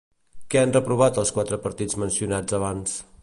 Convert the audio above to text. Què han reprovat els quatre partits mencionats abans?